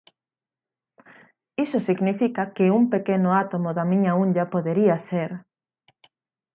Iso significa que un pequeno átomo da miña unlla podería ser...